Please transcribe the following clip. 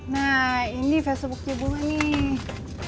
nah ini facebooknya dulu nih